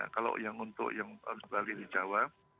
kalau yang untuk yang arus balik di jawa